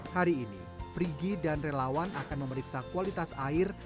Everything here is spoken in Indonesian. hari ini perigi dan relawan akan memeriksa kualitas air